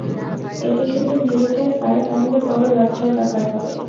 এটি যদি নীলুটের পায়, তাহলে বড় লজ্জার ব্যাপার হবে।